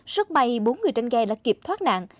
sớt bay bốn người tranh ghe đã kịp thoát nạn